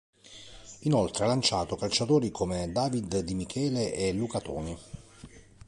Inoltre, ha lanciato calciatori come David Di Michele e Luca Toni.